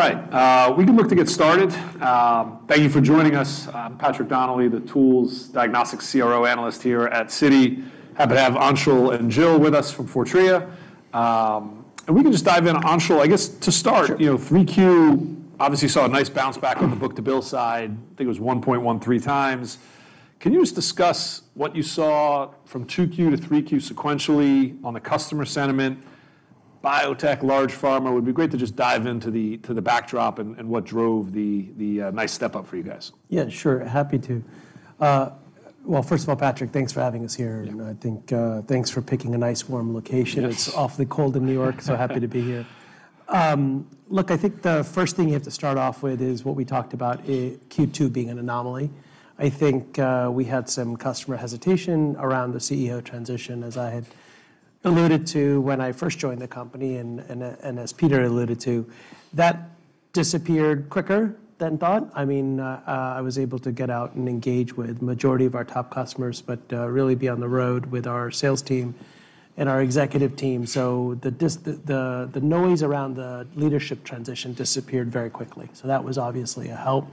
All right. We can look to get started. Thank you for joining us. I'm Patrick Donnelly, the tools diagnostics CRO analyst here at Citi. Happy to have Anshul and Jill with us from Fortrea, and we can just dive in. Anshul, I guess to start, 3Q obviously saw a nice bounce back on the book-to-bill side. I think it was 1.13 times. Can you just discuss what you saw from 2Q to 3Q sequentially on the customer sentiment? Biotech, large pharma, would be great to just dive into the backdrop and what drove the nice step up for you guys. Yeah, sure. Happy to. Well, first of all, Patrick, thanks for having us here. I think thanks for picking a nice warm location. It's awfully cold in New York, so happy to be here. Look, I think the first thing you have to start off with is what we talked about, Q2 being an anomaly. I think we had some customer hesitation around the CEO transition, as I had alluded to when I first joined the company. And as Peter alluded to, that disappeared quicker than thought. I mean, I was able to get out and engage with the majority of our top customers, but really be on the road with our sales team and our executive team. So the noise around the leadership transition disappeared very quickly. So that was obviously a help.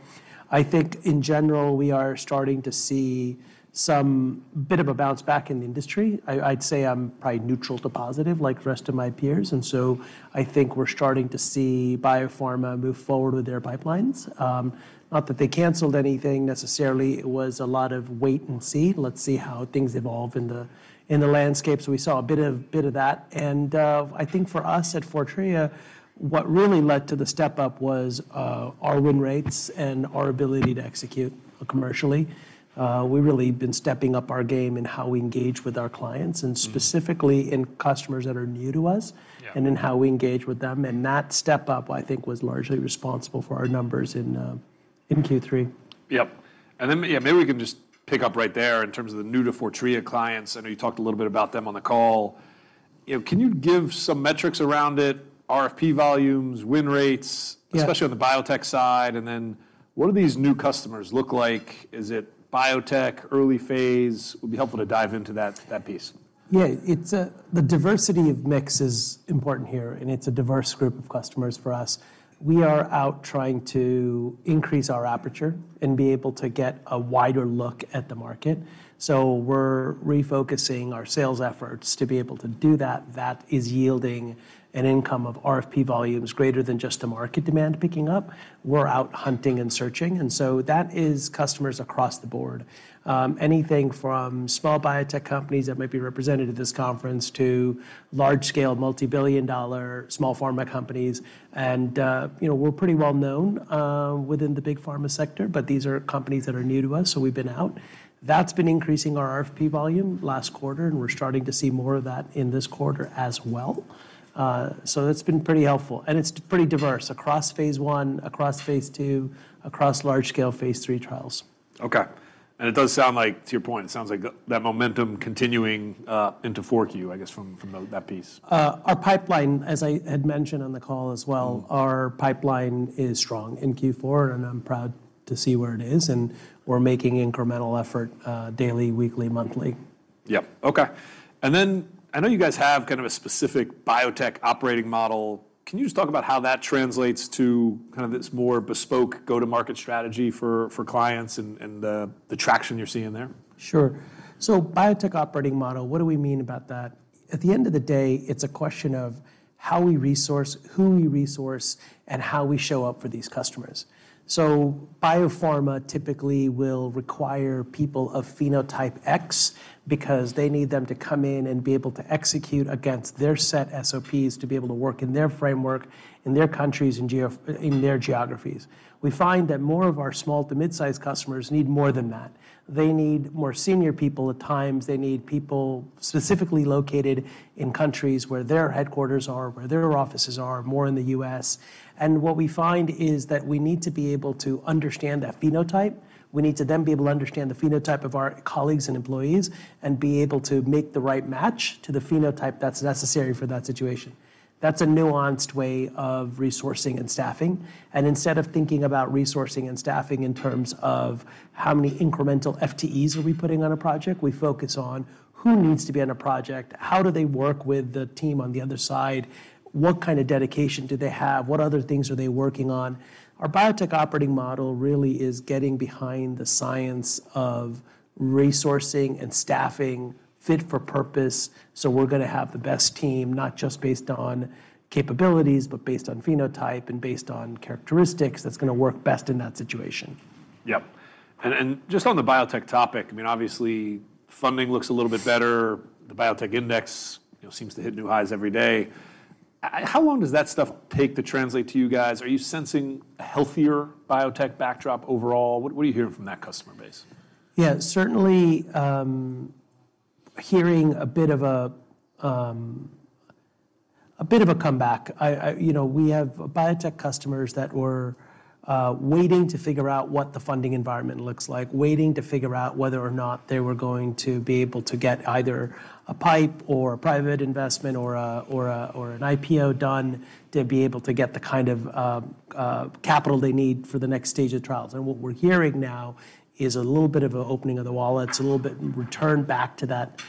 I think in general, we are starting to see some bit of a bounce back in the industry. I'd say I'm probably neutral to positive, like the rest of my peers. So I think we're starting to see biopharma move forward with their pipelines. Not that they canceled anything necessarily. It was a lot of wait and see. Let's see how things evolve in the landscape. So we saw a bit of that. I think for us at Fortrea, what really led to the step up was our win rates and our ability to execute commercially. We've really been stepping up our game in how we engage with our clients, and specifically in customers that are new to us, and in how we engage with them. That step up, I think, was largely responsible for our numbers in Q3. Yep. And then maybe we can just pick up right there in terms of the new-to-Fortrea clients. I know you talked a little bit about them on the call. Can you give some metrics around it? RFP volumes, win rates, especially on the biotech side. And then what do these new customers look like? Is it biotech, early phase? It would be helpful to dive into that piece. Yeah. The diversity of mix is important here, and it's a diverse group of customers for us. We are out trying to increase our aperture and be able to get a wider look at the market, so we're refocusing our sales efforts to be able to do that. That is yielding an increase in RFP volumes greater than just the market demand picking up. We're out hunting and searching, and so that is customers across the board. Anything from small biotech companies that might be represented at this conference to large-scale, multi-billion-dollar small pharma companies. And we're pretty well known within the big pharma sector, but these are companies that are new to us, so we've been out. That's been increasing our RFP volume last quarter, and we're starting to see more of that in this quarter as well, so that's been pretty helpful. It's pretty diverse across phase I, across phase II, across large-scale phase III trials. OK. And it does sound like, to your point, it sounds like that momentum continuing into 4Q, I guess, from that piece. Our pipeline, as I had mentioned on the call as well, our pipeline is strong in Q4, and I'm proud to see where it is, and we're making incremental effort daily, weekly, monthly. Yep. OK. And then I know you guys have kind of a specific biotech operating model. Can you just talk about how that translates to kind of this more bespoke go-to-market strategy for clients and the traction you're seeing there? Sure. So biotech operating model, what do we mean about that? At the end of the day, it's a question of how we resource, who we resource, and how we show up for these customers. So biopharma typically will require people of phenotype X because they need them to come in and be able to execute against their set SOPs to be able to work in their framework, in their countries, in their geographies. We find that more of our small to mid-sized customers need more than that. They need more senior people at times. They need people specifically located in countries where their headquarters are, where their offices are, more in the U.S. And what we find is that we need to be able to understand that phenotype. We need to then be able to understand the phenotype of our colleagues and employees and be able to make the right match to the phenotype that's necessary for that situation. That's a nuanced way of resourcing and staffing, and instead of thinking about resourcing and staffing in terms of how many incremental FTEs are we putting on a project, we focus on who needs to be on a project, how do they work with the team on the other side, what kind of dedication do they have, what other things are they working on. Our biotech operating model really is getting behind the science of resourcing and staffing fit for purpose, so we're going to have the best team, not just based on capabilities, but based on phenotype and based on characteristics that's going to work best in that situation. Yep. And just on the biotech topic, I mean, obviously, funding looks a little bit better. The biotech index seems to hit new highs every day. How long does that stuff take to translate to you guys? Are you sensing a healthier biotech backdrop overall? What are you hearing from that customer base? Yeah, certainly hearing a bit of a comeback. We have biotech customers that were waiting to figure out what the funding environment looks like, waiting to figure out whether or not they were going to be able to get either a PIPE or a private investment or an IPO done to be able to get the kind of capital they need for the next stage of trials. And what we're hearing now is a little bit of an opening of the wallet. It's a little bit returned back to that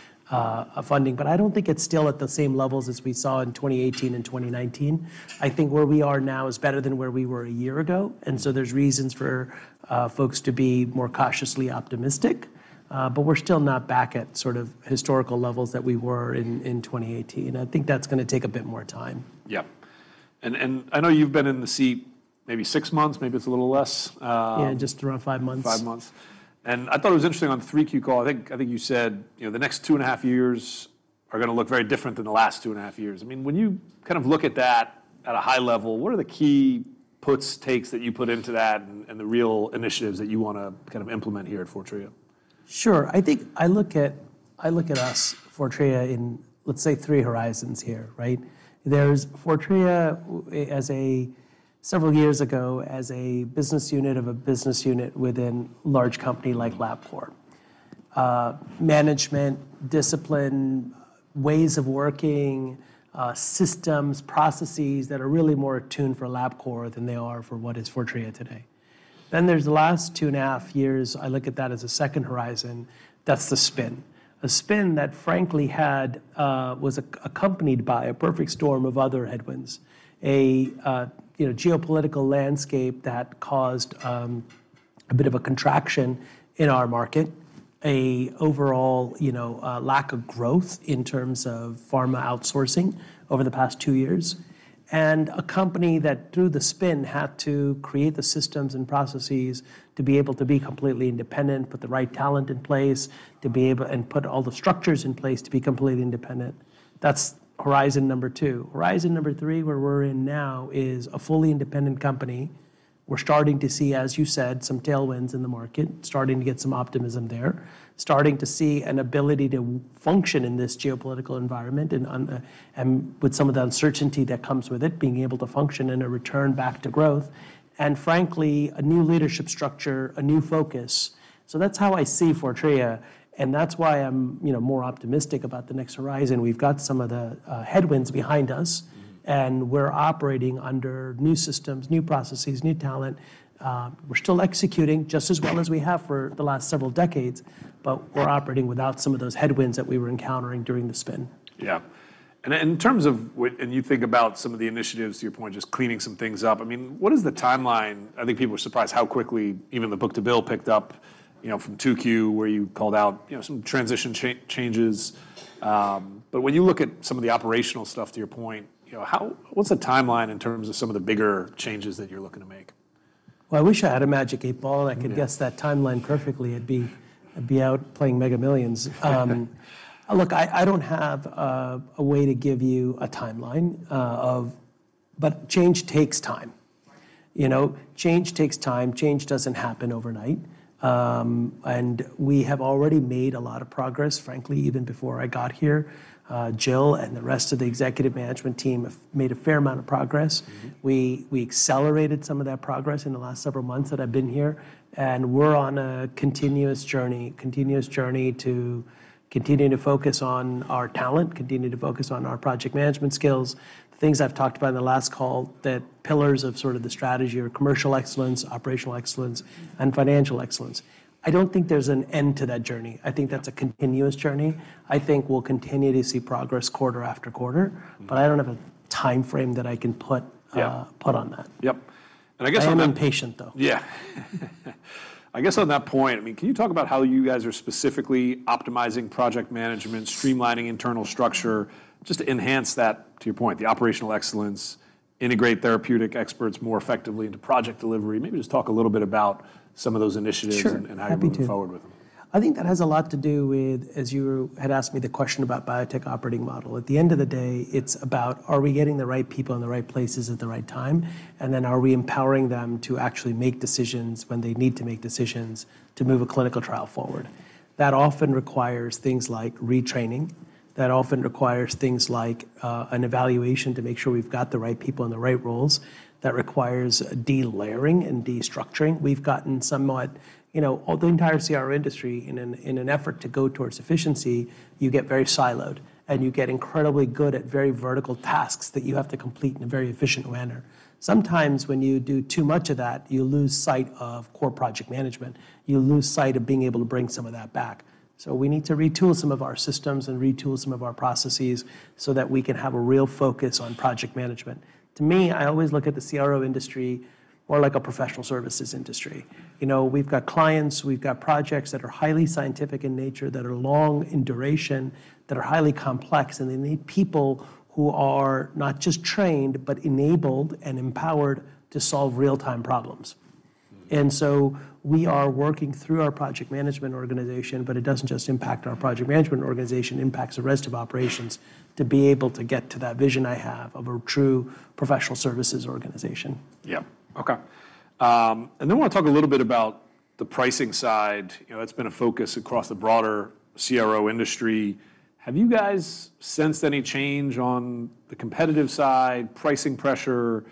funding. But I don't think it's still at the same levels as we saw in 2018 and 2019. I think where we are now is better than where we were a year ago. And so there's reasons for folks to be more cautiously optimistic. But we're still not back at sort of historical levels that we were in 2018. I think that's going to take a bit more time. Yeah, and I know you've been in the seat maybe six months, maybe it's a little less. Yeah, just around five months. Five months, and I thought it was interesting on the 3Q call. I think you said the next two and a half years are going to look very different than the last two and a half years. I mean, when you kind of look at that at a high level, what are the key puts, takes that you put into that and the real initiatives that you want to kind of implement here at Fortrea? Sure. I think I look at us, Fortrea, in, let's say, three horizons here. There's Fortrea several years ago as a business unit of a business unit within a large company like Labcorp, management, discipline, ways of working, systems, processes that are really more attuned for Labcorp than they are for what is Fortrea today. Then there's the last two and a half years. I look at that as a second horizon. That's the spin. A spin that, frankly, was accompanied by a perfect storm of other headwinds, a geopolitical landscape that caused a bit of a contraction in our market, an overall lack of growth in terms of pharma outsourcing over the past two years, and a company that, through the spin, had to create the systems and processes to be able to be completely independent, put the right talent in place, and put all the structures in place to be completely independent. That's horizon number two. Horizon number three, where we're in now, is a fully independent company. We're starting to see, as you said, some tailwinds in the market, starting to get some optimism there, starting to see an ability to function in this geopolitical environment and with some of the uncertainty that comes with it, being able to function and a return back to growth, and frankly, a new leadership structure, a new focus. So that's how I see Fortrea. And that's why I'm more optimistic about the next horizon. We've got some of the headwinds behind us and we're operating under new systems, new processes, new talent. We're still executing just as well as we have for the last several decades. But we're operating without some of those headwinds that we were encountering during the spin. Yeah. And in terms of, and you think about some of the initiatives, to your point, just cleaning some things up, I mean, what is the timeline? I think people were surprised how quickly even the book-to-bill picked up from 2Q, where you called out some transition changes. But when you look at some of the operational stuff, to your point, what's the timeline in terms of some of the bigger changes that you're looking to make? Well, I wish I had a magic eight ball. I could guess that timeline perfectly. I'd be out playing Mega Millions. Look, I don't have a way to give you a timeline. But change takes time. Change takes time. Change doesn't happen overnight. And we have already made a lot of progress, frankly, even before I got here. Jill and the rest of the executive management team have made a fair amount of progress. We accelerated some of that progress in the last several months that I've been here. And we're on a continuous journey, continuous journey to continue to focus on our talent, continue to focus on our project management skills, the things I've talked about in the last call, the pillars of sort of the strategy or commercial excellence, operational excellence, and financial excellence. I don't think there's an end to that journey. I think that's a continuous journey. I think we'll continue to see progress quarter after quarter. But I don't have a time frame that I can put on that. Yep. And I guess on. I'm impatient, though. Yeah. I guess on that point, I mean, can you talk about how you guys are specifically optimizing project management, streamlining internal structure just to enhance that, to your point, the operational excellence, integrate therapeutic experts more effectively into project delivery? Maybe just talk a little bit about some of those initiatives and how you're moving forward with them. Sure. I think that has a lot to do with, as you had asked me the question about biotech operating model. At the end of the day, it's about are we getting the right people in the right places at the right time? And then are we empowering them to actually make decisions when they need to make decisions to move a clinical trial forward? That often requires things like retraining. That often requires things like an evaluation to make sure we've got the right people in the right roles. That requires de-layering and destructuring. We've gotten somewhat the entire CRO industry, in an effort to go towards efficiency, you get very siloed. And you get incredibly good at very vertical tasks that you have to complete in a very efficient manner. Sometimes when you do too much of that, you lose sight of core project management. You lose sight of being able to bring some of that back. So we need to retool some of our systems and retool some of our processes so that we can have a real focus on project management. To me, I always look at the CRO industry more like a professional services industry. We've got clients. We've got projects that are highly scientific in nature, that are long in duration, that are highly complex. And they need people who are not just trained, but enabled and empowered to solve real-time problems. And so we are working through our project management organization. But it doesn't just impact our project management organization. It impacts the rest of operations to be able to get to that vision I have of a true professional services organization. Yep. OK. And then I want to talk a little bit about the pricing side. That's been a focus across the broader CRO industry. Have you guys sensed any change on the competitive side, pricing pressure,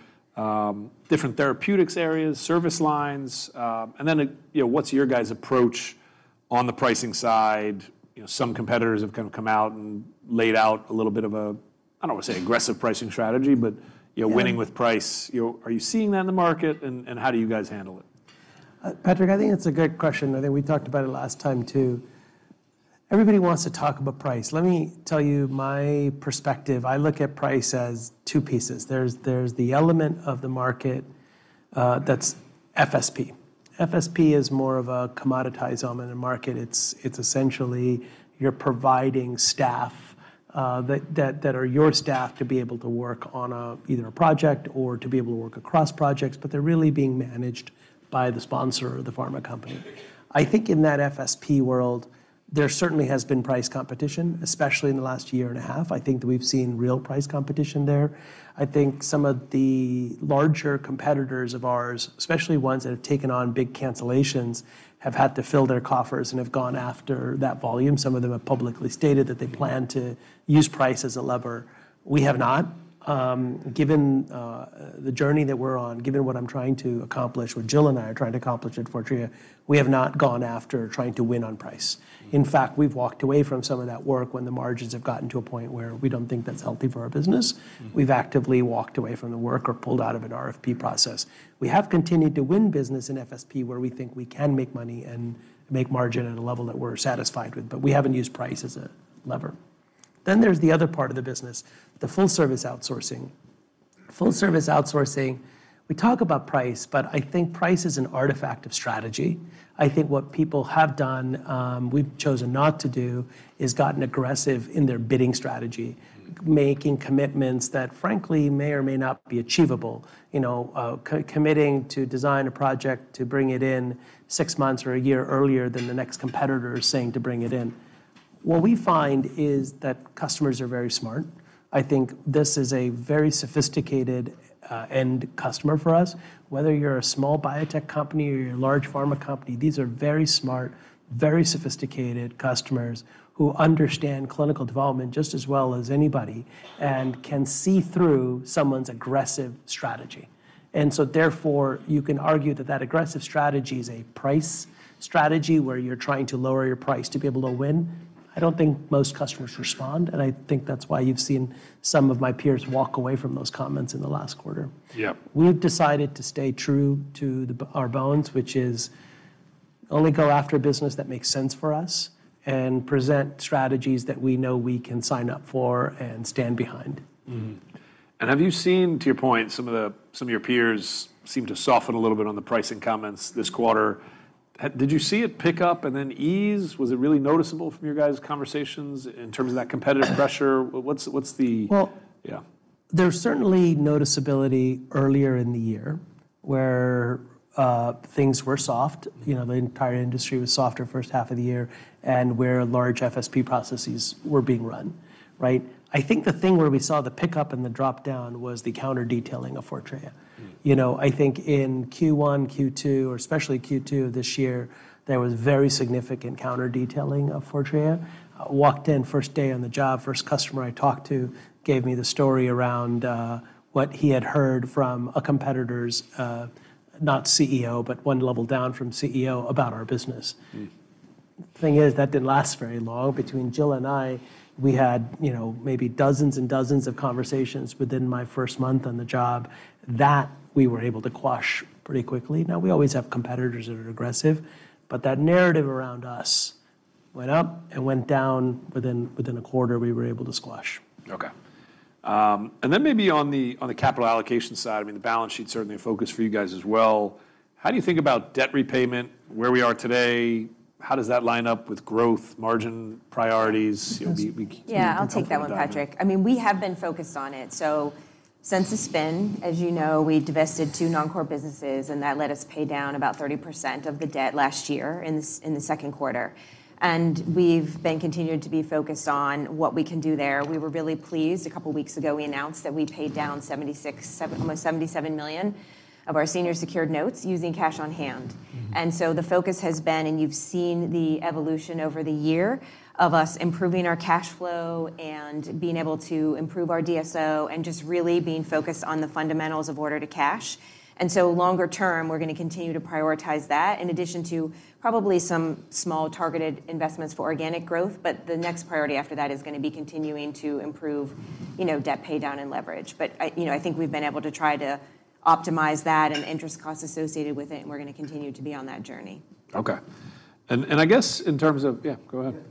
different therapeutic areas, service lines? And then what's your guys' approach on the pricing side? Some competitors have kind of come out and laid out a little bit of a, I don't want to say aggressive pricing strategy, but winning with price. Are you seeing that in the market? And how do you guys handle it? Patrick, I think that's a great question. I think we talked about it last time, too. Everybody wants to talk about price. Let me tell you my perspective. I look at price as two pieces. There's the element of the market that's FSP. FSP is more of a commoditized element of the market. It's essentially you're providing staff that are your staff to be able to work on either a project or to be able to work across projects. But they're really being managed by the sponsor, the pharma company. I think in that FSP world, there certainly has been price competition, especially in the last year and a half. I think that we've seen real price competition there. I think some of the larger competitors of ours, especially ones that have taken on big cancellations, have had to fill their coffers and have gone after that volume. Some of them have publicly stated that they plan to use price as a lever. We have not. Given the journey that we're on, given what I'm trying to accomplish, what Jill and I are trying to accomplish at Fortrea, we have not gone after trying to win on price. In fact, we've walked away from some of that work when the margins have gotten to a point where we don't think that's healthy for our business. We've actively walked away from the work or pulled out of an RFP process. We have continued to win business in FSP where we think we can make money and make margin at a level that we're satisfied with. But we haven't used price as a lever. Then there's the other part of the business, the full-service outsourcing. Full-service outsourcing, we talk about price. But I think price is an artifact of strategy. I think what people have done, we've chosen not to do, is gotten aggressive in their bidding strategy, making commitments that, frankly, may or may not be achievable, committing to design a project to bring it in six months or a year earlier than the next competitor is saying to bring it in. What we find is that customers are very smart. I think this is a very sophisticated end customer for us. Whether you're a small biotech company or you're a large pharma company, these are very smart, very sophisticated customers who understand clinical development just as well as anybody and can see through someone's aggressive strategy. And so therefore, you can argue that that aggressive strategy is a price strategy where you're trying to lower your price to be able to win. I don't think most customers respond. And I think that's why you've seen some of my peers walk away from those comments in the last quarter. We've decided to stay true to our bones, which is only go after business that makes sense for us and present strategies that we know we can sign up for and stand behind. Have you seen, to your point, some of your peers seem to soften a little bit on the pricing comments this quarter? Did you see it pick up and then ease? Was it really noticeable from your guys' conversations in terms of that competitive pressure? What's the. Well. Yeah. There's certainly noticeability earlier in the year where things were soft. The entire industry was soft the first half of the year and where large FSP processes were being run. I think the thing where we saw the pickup and the drop down was the counter-detailing of Fortrea. I think in Q1, Q2, or especially Q2 of this year, there was very significant counter-detailing of Fortrea. Walked in first day on the job. First customer I talked to gave me the story around what he had heard from a competitor's, not CEO, but one level down from CEO about our business. The thing is, that didn't last very long. Between Jill and I, we had maybe dozens and dozens of conversations within my first month on the job that we were able to quash pretty quickly. Now, we always have competitors that are aggressive. But that narrative around us went up and went down. Within a quarter, we were able to squash. OK, and then maybe on the capital allocation side, I mean, the balance sheet's certainly a focus for you guys as well. How do you think about debt repayment where we are today? How does that line up with growth, margin priorities? Yeah, I'll take that one, Patrick. I mean, we have been focused on it. So since the spin, as you know, we divested two non-core businesses. And that let us pay down about 30% of the debt last year in the second quarter. And we've been continuing to be focused on what we can do there. We were really pleased. A couple of weeks ago, we announced that we paid down almost $77 million of our senior secured notes using cash on hand. And so the focus has been, and you've seen the evolution over the year of us improving our cash flow and being able to improve our DSO and just really being focused on the fundamentals of order to cash. And so longer term, we're going to continue to prioritize that in addition to probably some small targeted investments for organic growth. But the next priority after that is going to be continuing to improve debt pay down and leverage. But I think we've been able to try to optimize that and interest costs associated with it. And we're going to continue to be on that journey. OK. And I guess in terms of, yeah, go ahead.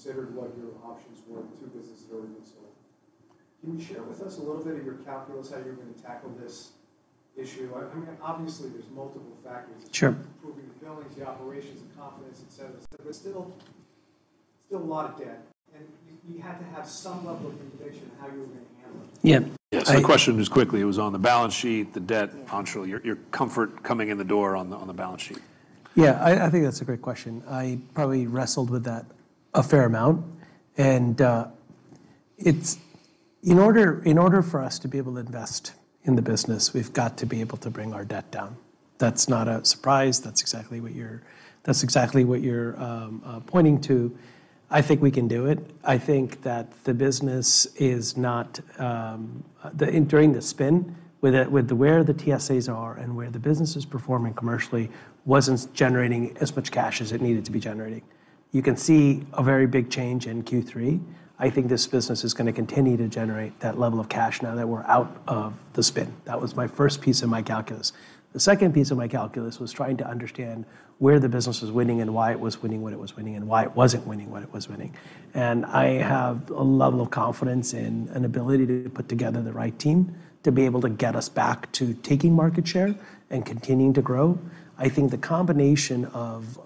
Can you elaborate a little bit on that question? So when you were thinking about taking the job and you looked at the balance sheet and you had the discussions with the board members and when you considered what your options were, the two businesses that were being sold, can you share with us a little bit of your calculus, how you're going to tackle this issue? I mean, obviously, there's multiple factors: improving the billings, the operations, the confidence, et cetera. But still, a lot of debt. And you had to have some level of innovation on how you were going to handle it. Yeah. So, the question is quickly. It was on the balance sheet, the debt, your comfort coming in the door on the balance sheet? Yeah, I think that's a great question. I probably wrestled with that a fair amount, and in order for us to be able to invest in the business, we've got to be able to bring our debt down. That's not a surprise. That's exactly what you're pointing to. I think we can do it. I think that the business is not during the spin, where the TSAs are and where the business is performing commercially wasn't generating as much cash as it needed to be generating. You can see a very big change in Q3. I think this business is going to continue to generate that level of cash now that we're out of the spin. That was my first piece of my calculus. The second piece of my calculus was trying to understand where the business was winning and why it was winning what it was winning and why it wasn't winning what it was winning. And I have a level of confidence in an ability to put together the right team to be able to get us back to taking market share and continuing to grow. I think the combination of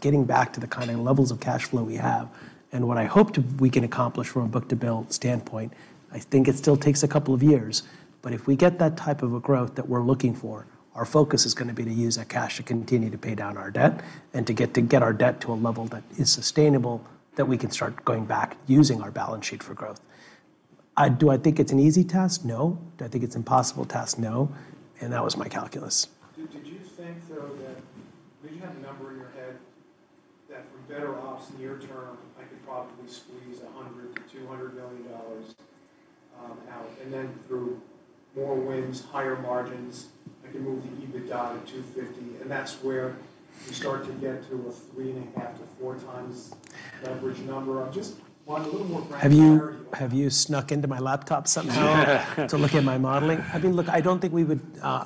getting back to the kind of levels of cash flow we have and what I hope we can accomplish from a book-to-bill standpoint, I think it still takes a couple of years. But if we get that type of a growth that we're looking for, our focus is going to be to use that cash to continue to pay down our debt and to get our debt to a level that is sustainable that we can start going back using our balance sheet for growth. Do I think it's an easy task? No. Do I think it's an impossible task? No, and that was my calculus. Did you think, though, that we didn't have a number in your head that from better ops near term, I could probably squeeze $100 million-$200 million out? And then through more wins, higher margins, I can move the EBITDA to $250 million. And that's where you start to get to a 3.5x-4x leverage number. I just want a little more granular. Have you snuck into my laptop somehow to look at my modeling? I mean, look, I don't think we would,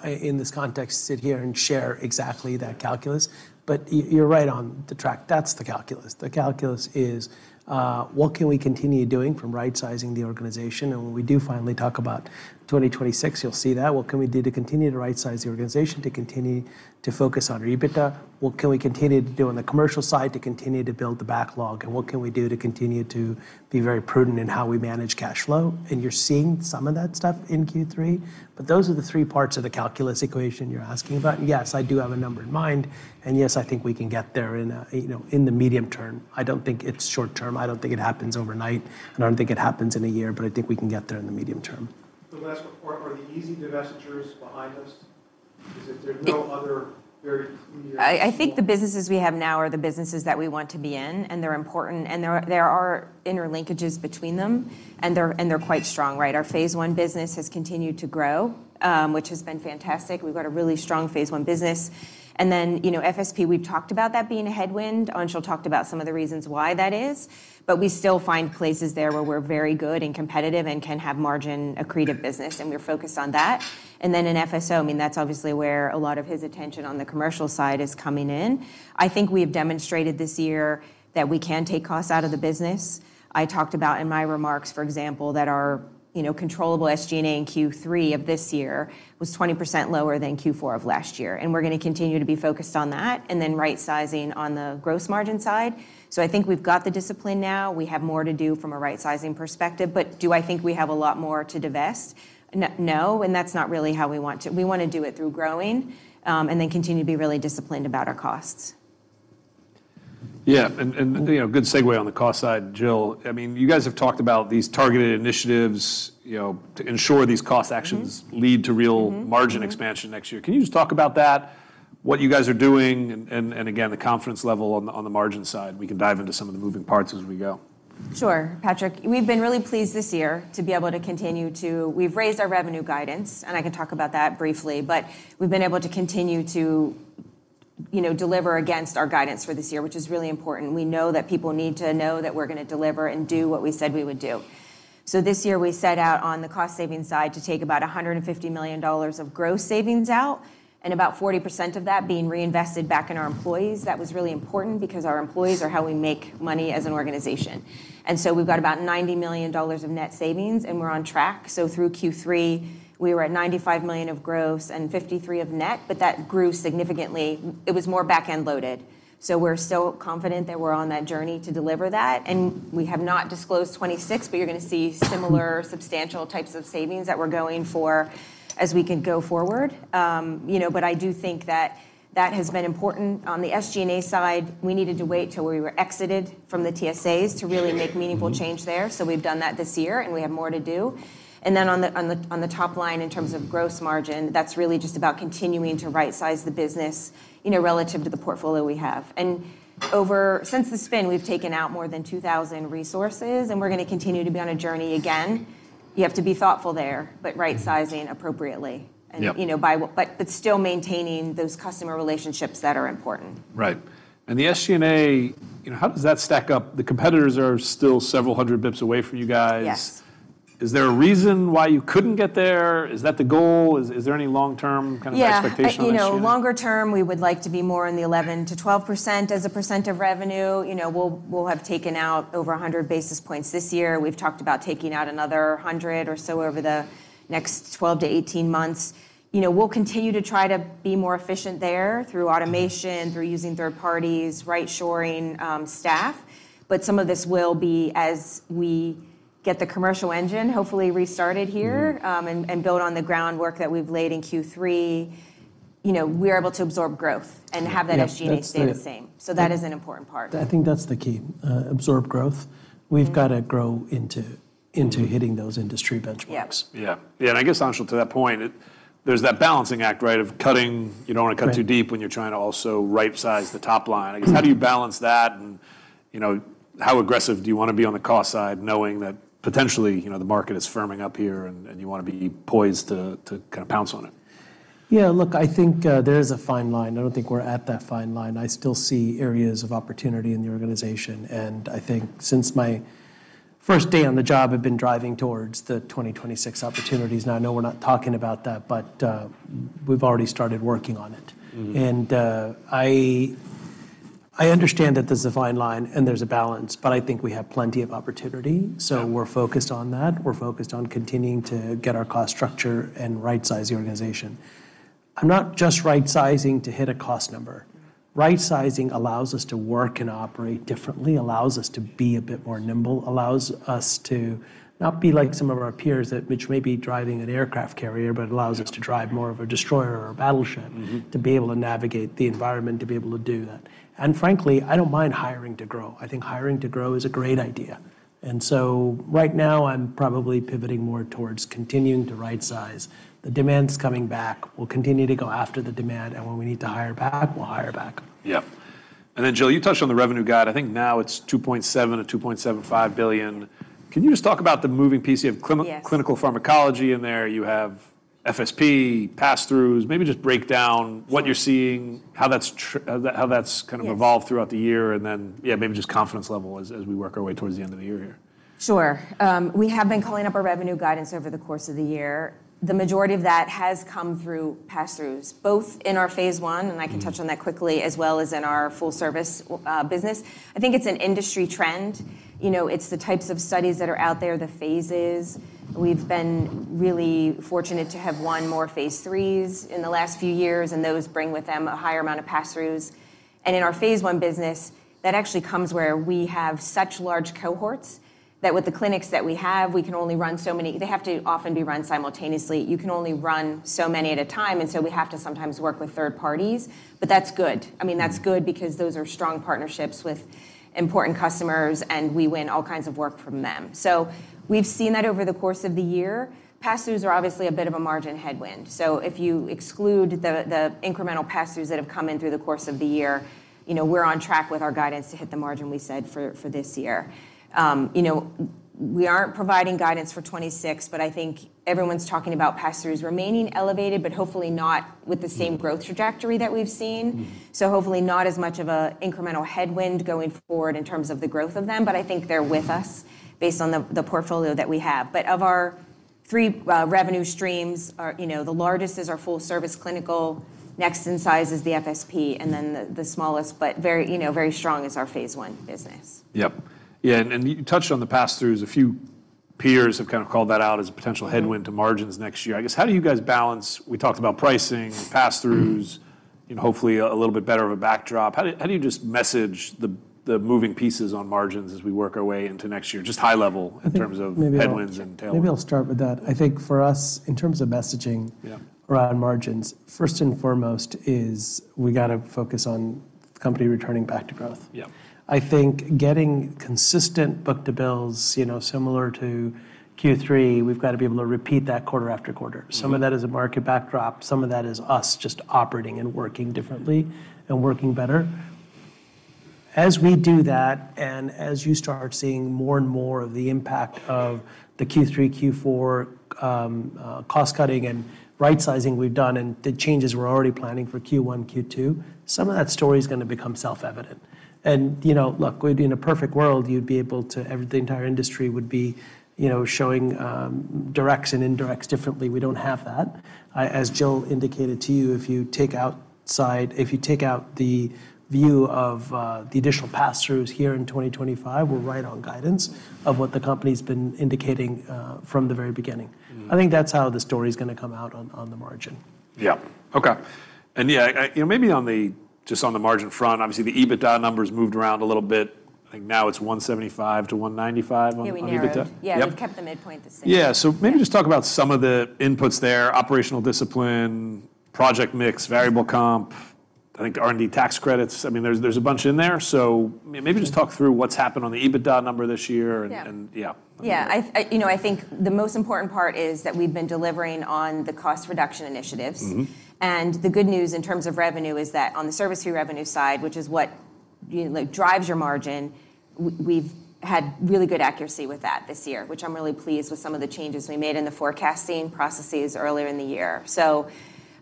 in this context, sit here and share exactly that calculus. But you're right on the track. That's the calculus. The calculus is, what can we continue doing from right-sizing the organization? And when we do finally talk about 2026, you'll see that. What can we do to continue to right-size the organization, to continue to focus on our EBITDA? What can we continue to do on the commercial side to continue to build the backlog? And what can we do to continue to be very prudent in how we manage cash flow? And you're seeing some of that stuff in Q3. But those are the three parts of the calculus equation you're asking about. And yes, I do have a number in mind. Yes, I think we can get there in the medium term. I don't think it's short term. I don't think it happens overnight. I don't think it happens in a year. I think we can get there in the medium term. The last part, are the easy divestitures behind us? Is it there's no other very clear? I think the businesses we have now are the businesses that we want to be in. And they're important. And there are interlinkages between them. And they're quite strong. Our phase one business has continued to grow, which has been fantastic. We've got a really strong phase one business. And then FSP, we've talked about that being a headwind. Anshul talked about some of the reasons why that is. But we still find places there where we're very good and competitive and can have margin accretive business. And we're focused on that. And then in FSO, I mean, that's obviously where a lot of his attention on the commercial side is coming in. I think we have demonstrated this year that we can take costs out of the business. I talked about in my remarks, for example, that our controllable SG&A in Q3 of this year was 20% lower than Q4 of last year. And we're going to continue to be focused on that and then right-sizing on the gross margin side. So I think we've got the discipline now. We have more to do from a right-sizing perspective. But do I think we have a lot more to divest? No. And that's not really how we want to. We want to do it through growing and then continue to be really disciplined about our costs. Yeah. And good segue on the cost side, Jill. I mean, you guys have talked about these targeted initiatives to ensure these cost actions lead to real margin expansion next year. Can you just talk about that, what you guys are doing? And again, the confidence level on the margin side. We can dive into some of the moving parts as we go. Sure, Patrick. We've been really pleased this year to be able to continue. We've raised our revenue guidance. And I can talk about that briefly. But we've been able to continue to deliver against our guidance for this year, which is really important. We know that people need to know that we're going to deliver and do what we said we would do. So this year, we set out on the cost savings side to take about $150 million of gross savings out and about 40% of that being reinvested back in our employees. That was really important because our employees are how we make money as an organization. And so we've got about $90 million of net savings. And we're on track. So through Q3, we were at $95 million of gross and $53 million of net. But that grew significantly. It was more back-end loaded. So we're still confident that we're on that journey to deliver that. And we have not disclosed $26 million. But you're going to see similar substantial types of savings that we're going for as we can go forward. But I do think that that has been important. On the SG&A side, we needed to wait till we were exited from the TSAs to really make meaningful change there. So we've done that this year. And we have more to do. And then on the top line, in terms of gross margin, that's really just about continuing to right-size the business relative to the portfolio we have. And since the spin, we've taken out more than 2,000 resources. And we're going to continue to be on a journey again. You have to be thoughtful there, but right-sizing appropriately. But still maintaining those customer relationships that are important. Right. And the SG&A, how does that stack up? The competitors are still several hundred basis points away from you guys. Is there a reason why you couldn't get there? Is that the goal? Is there any long-term kind of expectation? Yeah. Longer term, we would like to be more in the 11%-12% as a percent of revenue. We'll have taken out over 100 basis points this year. We've talked about taking out another 100 or so over the next 12 to 18 months. We'll continue to try to be more efficient there through automation, through using third parties, right-sourcing staff. But some of this will be as we get the commercial engine hopefully restarted here and build on the groundwork that we've laid in Q3, we're able to absorb growth and have that SG&A stay the same. So that is an important part. I think that's the key, absorb growth. We've got to grow into hitting those industry benchmarks. Yeah. Yeah. And I guess, Anshul, to that point, there's that balancing act, right, of cutting. You don't want to cut too deep when you're trying to also right-size the top line. I guess, how do you balance that? And how aggressive do you want to be on the cost side, knowing that potentially the market is firming up here and you want to be poised to kind of pounce on it? Yeah, look, I think there is a fine line. I don't think we're at that fine line. I still see areas of opportunity in the organization. And I think since my first day on the job, I've been driving towards the 2026 opportunities. Now, I know we're not talking about that. But we've already started working on it. And I understand that there's a fine line and there's a balance. But I think we have plenty of opportunity. So we're focused on that. We're focused on continuing to get our cost structure and right-size the organization. I'm not just right-sizing to hit a cost number. Right-sizing allows us to work and operate differently, allows us to be a bit more nimble, allows us to not be like some of our peers that, which may be driving an aircraft carrier, but allows us to drive more of a destroyer or a battleship to be able to navigate the environment, to be able to do that. And frankly, I don't mind hiring to grow. I think hiring to grow is a great idea. And so right now, I'm probably pivoting more towards continuing to right-size. The demand's coming back. We'll continue to go after the demand. And when we need to hire back, we'll hire back. Yeah. And then, Jill, you touched on the revenue guide. I think now it's $2.7 billion-$2.75 billion. Can you just talk about the moving piece? You have clinical pharmacology in there. You have FSP, pass-throughs. Maybe just break down what you're seeing, how that's kind of evolved throughout the year. And then, yeah, maybe just confidence level as we work our way towards the end of the year here. Sure. We have been dialing up our revenue guidance over the course of the year. The majority of that has come through pass-throughs, both in our phase I, and I can touch on that quickly, as well as in our full-service business. I think it's an industry trend. It's the types of studies that are out there, the phases. We've been really fortunate to have won more phase IIIs in the last few years, and those bring with them a higher amount of pass-throughs, and in our phase I business, that actually comes where we have such large cohorts that with the clinics that we have, we can only run so many. They have to often be run simultaneously. You can only run so many at a time, and so we have to sometimes work with third parties. But that's good. I mean, that's good because those are strong partnerships with important customers, and we win all kinds of work from them, so we've seen that over the course of the year. Pass-throughs are obviously a bit of a margin headwind, so if you exclude the incremental pass-throughs that have come in through the course of the year, we're on track with our guidance to hit the margin we said for this year. We aren't providing guidance for 2026, but I think everyone's talking about pass-throughs remaining elevated, but hopefully not with the same growth trajectory that we've seen, so hopefully not as much of an incremental headwind going forward in terms of the growth of them, but I think they're with us based on the portfolio that we have, but of our three revenue streams, the largest is our full-service clinical. Next in size is the FSP. Then the smallest, but very strong, is our phase one business. Yep. Yeah. And you touched on the pass-throughs. A few peers have kind of called that out as a potential headwind to margins next year. I guess, how do you guys balance? We talked about pricing, pass-throughs, hopefully a little bit better of a backdrop. How do you just message the moving pieces on margins as we work our way into next year, just high level in terms of headwinds and tailwinds? Maybe I'll start with that. I think for us, in terms of messaging around margins, first and foremost is we've got to focus on the company returning back to growth. I think getting consistent book-to-bills, similar to Q3, we've got to be able to repeat that quarter after quarter. Some of that is a market backdrop. Some of that is us just operating and working differently and working better. As we do that, and as you start seeing more and more of the impact of the Q3, Q4 cost cutting and right-sizing we've done and the changes we're already planning for Q1, Q2, some of that story is going to become self-evident. And look, in a perfect world, you'd be able to the entire industry would be showing directs and indirects differently. We don't have that. As Jill indicated to you, if you take out the view of the additional pass-throughs here in 2025, we're right on guidance of what the company's been indicating from the very beginning. I think that's how the story is going to come out on the margin. Yeah. OK. And yeah, maybe just on the margin front, obviously, the EBITDA numbers moved around a little bit. I think now it's $175-$195 on EBITDA. Yeah. We kept the midpoint the same. Yeah. So maybe just talk about some of the inputs there: operational discipline, project mix, variable comp, I think R&D tax credits. I mean, there's a bunch in there. So maybe just talk through what's happened on the EBITDA number this year. And yeah. Yeah. I think the most important part is that we've been delivering on the cost reduction initiatives, and the good news in terms of revenue is that on the service fee revenue side, which is what drives your margin, we've had really good accuracy with that this year, which I'm really pleased with some of the changes we made in the forecasting processes earlier in the year, so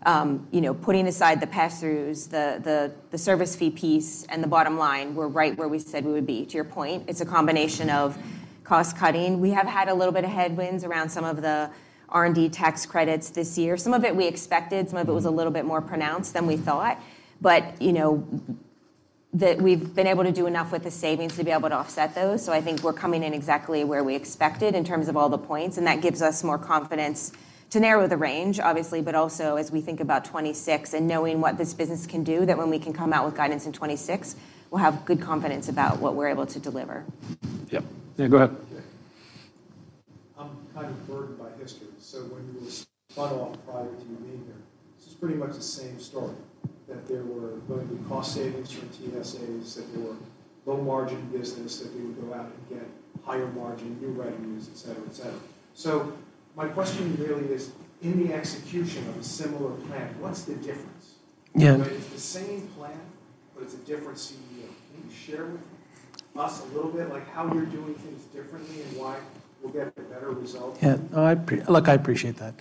putting aside the pass-throughs, the service fee piece, and the bottom line, we're right where we said we would be. To your point, it's a combination of cost cutting. We have had a little bit of headwinds around some of the R&D tax credits this year. Some of it we expected. Some of it was a little bit more pronounced than we thought, but we've been able to do enough with the savings to be able to offset those. So I think we're coming in exactly where we expected in terms of all the points. And that gives us more confidence to narrow the range, obviously. But also, as we think about 2026 and knowing what this business can do, that when we can come out with guidance in 2026, we'll have good confidence about what we're able to deliver. Yeah. Yeah. Go ahead. I'm kind of burdened by history. So when you were spun off prior to you being here, this is pretty much the same story, that there were going to be cost savings for TSAs, that there were low-margin business, that we would go out and get higher margin, new revenues, et cetera, et cetera. So my question really is, in the execution of a similar plan, what's the difference? It's the same plan, but it's a different CEO. Can you share with us a little bit how you're doing things differently and why we'll get a better result? Yeah. Look, I appreciate that.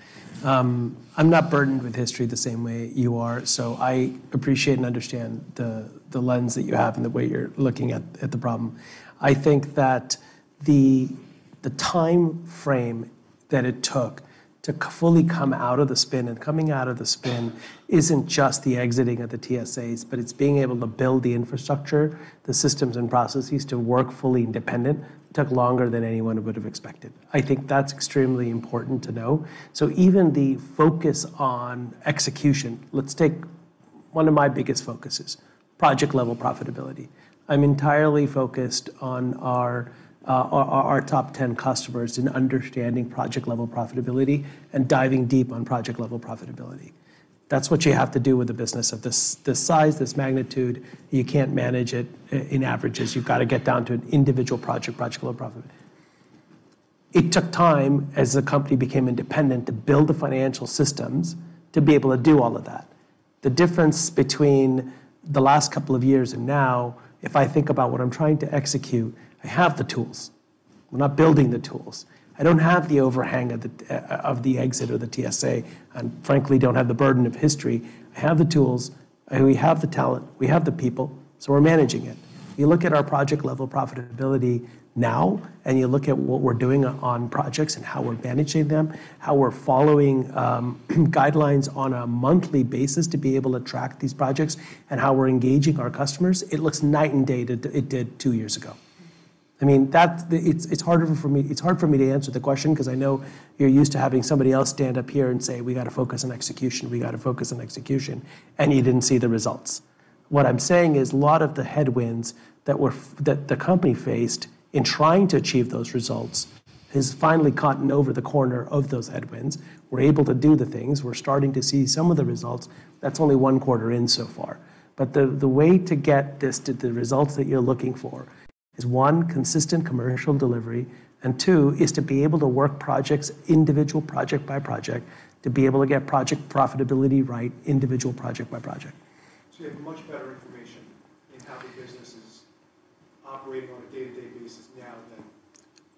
I'm not burdened with history the same way you are. So I appreciate and understand the lens that you have and the way you're looking at the problem. I think that the time frame that it took to fully come out of the spin and coming out of the spin isn't just the exiting of the TSAs, but it's being able to build the infrastructure, the systems, and processes to work fully independent. It took longer than anyone would have expected. I think that's extremely important to know. So even the focus on execution, let's take one of my biggest focuses, project-level profitability. I'm entirely focused on our top 10 customers in understanding project-level profitability and diving deep on project-level profitability. That's what you have to do with a business of this size, this magnitude. You can't manage it in averages. You've got to get down to an individual project, project-level profitability. It took time, as the company became independent, to build the financial systems to be able to do all of that. The difference between the last couple of years and now, if I think about what I'm trying to execute, I have the tools. We're not building the tools. I don't have the overhang of the exit of the TSA. And frankly, I don't have the burden of history. I have the tools. We have the talent. We have the people. So we're managing it. You look at our project-level profitability now, and you look at what we're doing on projects and how we're managing them, how we're following guidelines on a monthly basis to be able to track these projects, and how we're engaging our customers. It looks night and day it did two years ago. I mean, it's hard for me to answer the question because I know you're used to having somebody else stand up here and say, "We've got to focus on execution. We've got to focus on execution." And you didn't see the results. What I'm saying is a lot of the headwinds that the company faced in trying to achieve those results has finally turned the corner on those headwinds. We're able to do the things. We're starting to see some of the results. That's only one quarter in so far. But the way to get this to the results that you're looking for is, one, consistent commercial delivery. And two, is to be able to work projects, individual project by project, to be able to get project profitability right, individual project by project. So, you have much better information in how the business is operating on a day-to-day basis now than.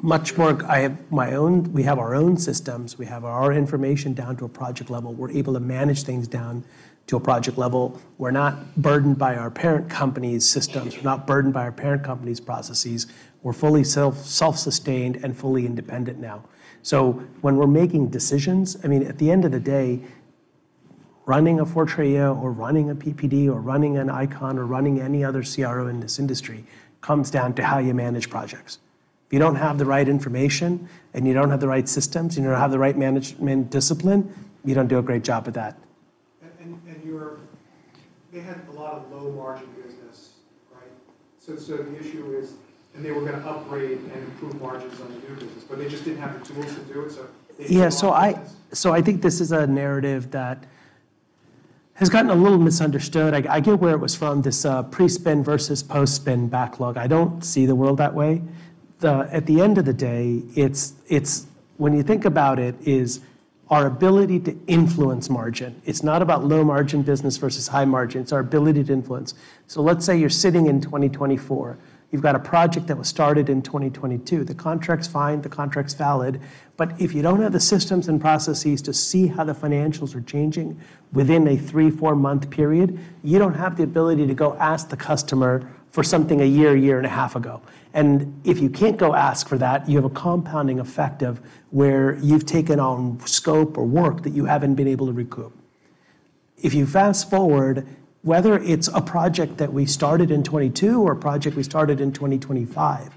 Much more. We have our own systems. We have our information down to a project level. We're able to manage things down to a project level. We're not burdened by our parent company's systems. We're not burdened by our parent company's processes. We're fully self-sustained and fully independent now. So when we're making decisions, I mean, at the end of the day, running a Fortrea or running a PPD or running an ICON or running any other CRO in this industry comes down to how you manage projects. If you don't have the right information and you don't have the right systems and you don't have the right management discipline, you don't do a great job with that. And they had a lot of low-margin business, right? So the issue is, and they were going to upgrade and improve margins on the new business. But they just didn't have the tools to do it. So. Yeah. So I think this is a narrative that has gotten a little misunderstood. I get where it was from, this pre-spin versus post-spin backlog. I don't see the world that way. At the end of the day, when you think about it, it's our ability to influence margin. It's not about low-margin business versus high-margin. It's our ability to influence. So let's say you're sitting in 2024. You've got a project that was started in 2022. The contract's fine. The contract's valid. But if you don't have the systems and processes to see how the financials are changing within a three- or four-month period, you don't have the ability to go ask the customer for something a year, year and a half ago. And if you can't go ask for that, you have a compounding effect of where you've taken on scope or work that you haven't been able to recoup. If you fast forward, whether it's a project that we started in 2022 or a project we started in 2025,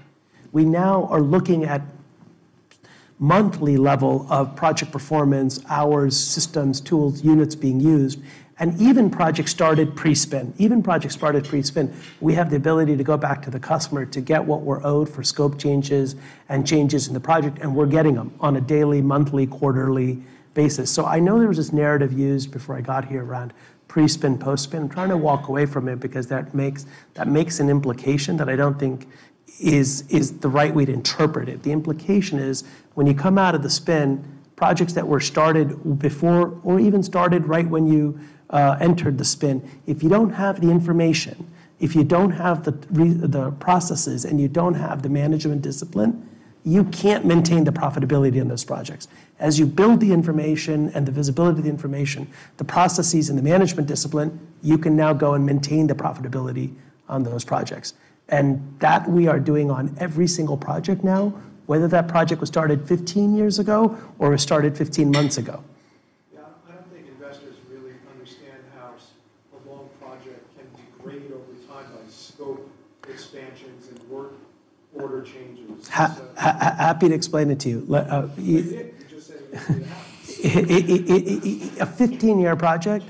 we now are looking at monthly level of project performance, hours, systems, tools, units being used. And even projects started pre-spin, even projects started pre-spin, we have the ability to go back to the customer to get what we're owed for scope changes and changes in the project. And we're getting them on a daily, monthly, quarterly basis. So I know there was this narrative used before I got here around pre-spin, post-spin. I'm trying to walk away from it because that makes an implication that I don't think is the right way to interpret it. The implication is, when you come out of the spin, projects that were started before or even started right when you entered the spin, if you don't have the information, if you don't have the processes, and you don't have the management discipline, you can't maintain the profitability on those projects. As you build the information and the visibility of the information, the processes and the management discipline, you can now go and maintain the profitability on those projects. And that we are doing on every single project now, whether that project was started 15 years ago or was started 15 months ago. Yeah. I don't think investors really understand how a long project can degrade over time by scope expansions and work order changes. Happy to explain it to you. Is it? You just said it was going to happen. A 15-year project,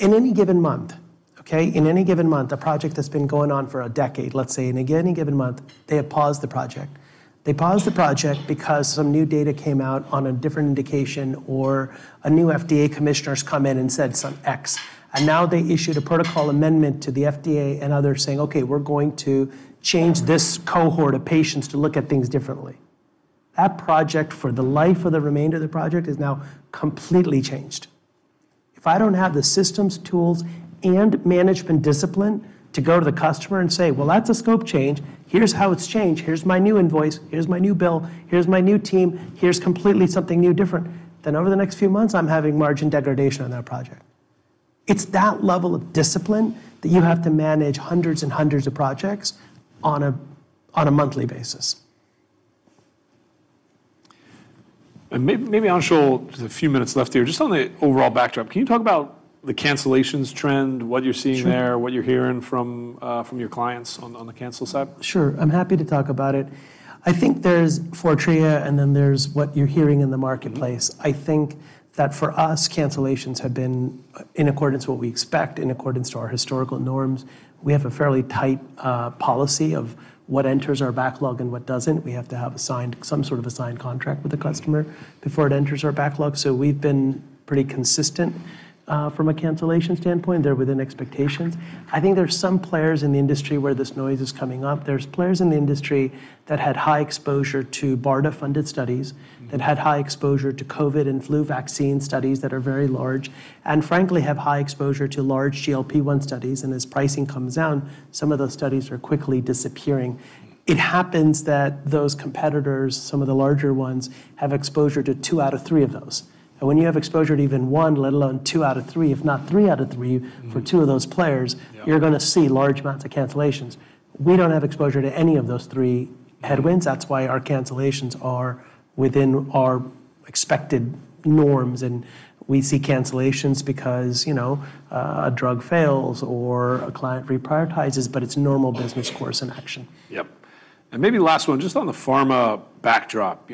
in any given month, OK, in any given month, a project that's been going on for a decade, let's say, in any given month, they have paused the project. They paused the project because some new data came out on a different indication or a new FDA commissioner's come in and said some X. And now they issued a protocol amendment to the FDA and others saying, "OK, we're going to change this cohort of patients to look at things differently." That project, for the life of the remainder of the project, is now completely changed. If I don't have the systems, tools, and management discipline to go to the customer and say, "Well, that's a scope change. Here's how it's changed. Here's my new invoice. Here's my new bill. Here's my new team. Here's something completely new, different." Then over the next few months, I'm having margin degradation on that project. It's that level of discipline that you have to manage hundreds and hundreds of projects on a monthly basis. Maybe Anshul, just a few minutes left here, just on the overall backdrop, can you talk about the cancellations trend, what you're seeing there, what you're hearing from your clients on the cancel side? Sure. I'm happy to talk about it. I think there's Fortrea and then there's what you're hearing in the marketplace. I think that for us, cancellations have been in accordance with what we expect, in accordance to our historical norms. We have a fairly tight policy of what enters our backlog and what doesn't. We have to have some sort of a signed contract with the customer before it enters our backlog. So we've been pretty consistent from a cancellation standpoint. They're within expectations. I think there's some players in the industry where this noise is coming up. There's players in the industry that had high exposure to BARDA-funded studies, that had high exposure to COVID and flu vaccine studies that are very large, and frankly, have high exposure to large GLP-1 studies. And as pricing comes down, some of those studies are quickly disappearing. It happens that those competitors, some of the larger ones, have exposure to two out of three of those. And when you have exposure to even one, let alone two out of three, if not three out of three for two of those players, you're going to see large amounts of cancellations. We don't have exposure to any of those three headwinds. That's why our cancellations are within our expected norms. And we see cancellations because a drug fails or a client reprioritizes, but it's normal business course of action. Yep. And maybe last one, just on the pharma backdrop.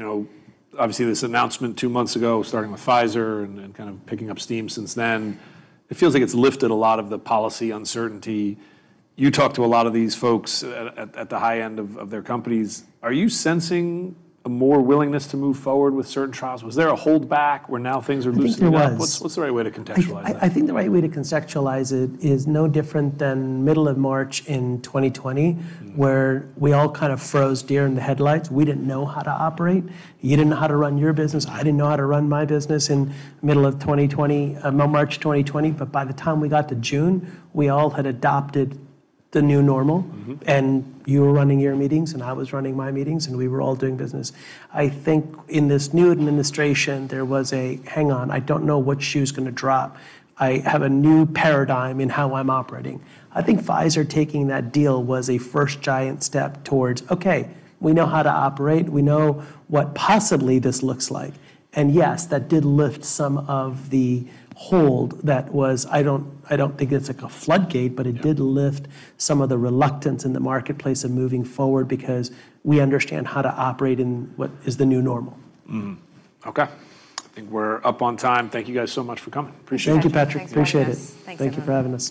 Obviously, this announcement two months ago, starting with Pfizer and kind of picking up steam since then, it feels like it's lifted a lot of the policy uncertainty. You talk to a lot of these folks at the high end of their companies. Are you sensing a more willingness to move forward with certain trials? Was there a holdback where now things are loosening? I think there was. What's the right way to contextualize that? I think the right way to contextualize it is no different than middle of March in 2020, where we all kind of froze like deer in the headlights. We didn't know how to operate. You didn't know how to run your business. I didn't know how to run my business in middle of 2020, March 2020, but by the time we got to June, we all had adopted the new normal, and you were running your meetings, and I was running my meetings, and we were all doing business. I think in this new administration, there was a, "Hang on. I don't know what shoe's going to drop. I have a new paradigm in how I'm operating." I think Pfizer taking that deal was a first giant step towards, "OK, we know how to operate. We know what possibly this looks like." And yes, that did lift some of the hold that was. I don't think it's like a floodgate, but it did lift some of the reluctance in the marketplace of moving forward because we understand how to operate in what is the new normal. OK. I think we're up on time. Thank you guys so much for coming. Appreciate it. Thank you, Patrick. Appreciate it. Thank you for having us.